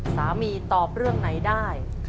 สามีตอบเรื่องไหนได้